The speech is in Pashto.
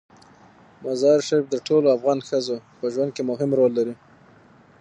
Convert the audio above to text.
مزارشریف د ټولو افغان ښځو په ژوند کې مهم رول لري.